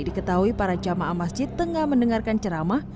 diketahui para jamaah masjid tengah mendengarkan ceramah